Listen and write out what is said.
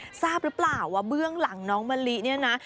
ทราบหรือเปล่าว่าเบื้องหลังน้องมะลิเนี่ยนะ